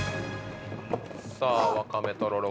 さぁわかめとろろ